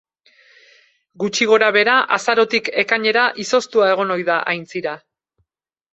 Gutxi gorabehera, azarotik ekainera izoztua egon ohi da aintzira.